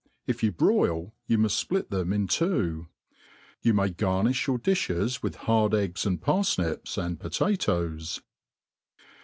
If you broil, you muft fplit them in two. You may garniib your dUhes with bard eggs and parfoips, aind po^toes.